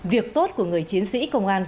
việc tốt của người chiến sĩ công an